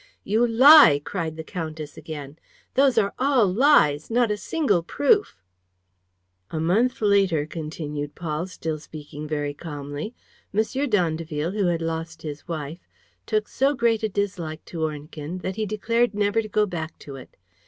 "You lie!" cried the countess, again. "Those are all lies! Not a single proof! ..." "A month later," continued Paul, still speaking very calmly, "M. d'Andeville, who had lost his wife, took so great a dislike to Ornequin that he decided never to go back to it.